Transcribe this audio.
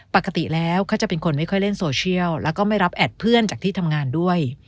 ปกติแล้วเขาจะเป็นคนไม่ค่อยเล่นโซเชียลแล้วก็ไม่รับแอดเพื่อนจากที่ทำงานด้วย